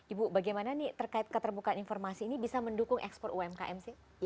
ibu bagaimana nih terkait keterbukaan informasi ini bisa mendukung ekspor umkm sih